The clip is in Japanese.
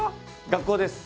学校です。